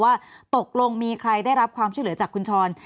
ว่าตกลงมีใครได้รับความช่วยเหลือจากคุณชร